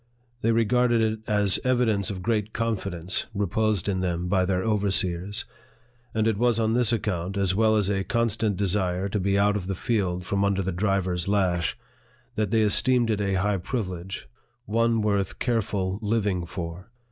They regarded it as evi dence of great confidence reposed in them by their overseers ; and it was on this account, as well as a constant desire to be out of the field from under the driver's lash, that they esteemed it a high privilege, one worth careful living for.